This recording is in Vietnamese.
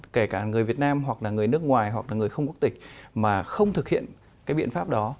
kể cả người việt nam hoặc là người nước ngoài hoặc là người không quốc tịch mà không thực hiện cái biện pháp đó